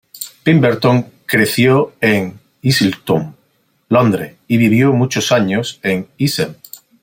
Pemberton creció en Islington, Londres, y vivió muchos años en Essex.